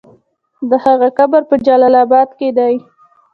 د هغه قبر په جلال اباد کې دی.